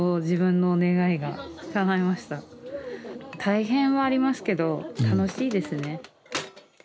大変はありますけど楽しいですね。